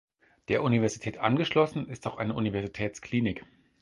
Der Universität angeschlossen ist auch eine Universitätsklinik.